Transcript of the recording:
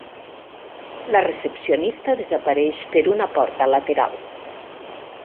La recepcionista desapareix per una porta lateral.